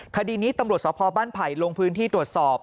คดีนี้ตำรวจสพบ้านไผ่ลงพื้นที่ตรวจสอบ